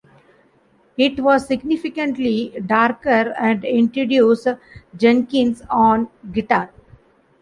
It was significantly darker and introduced Jenkins on guitar.